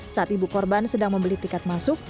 saat ibu korban sedang membeli tiket masuk